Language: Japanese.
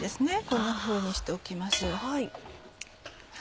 こんなふうにしておきます。